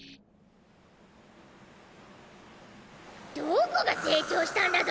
どこが成長したんだゾ！